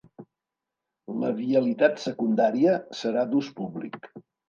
La vialitat secundària serà d'ús públic.